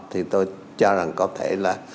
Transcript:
thì tôi cho rằng có thể là